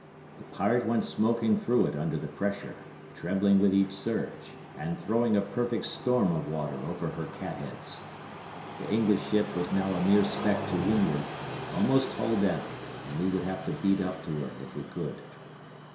The Pirate went smoking through it under the pressure, trembling with each surge, and throwing a perfect storm of water over her catheads. The English ship was now a mere speck to windward, almost hull down, and we would have to beat up to her if we could.